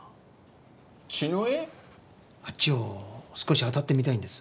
あっちを少し当たってみたいんです。